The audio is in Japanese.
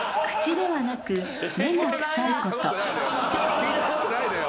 聞いたことないのよ。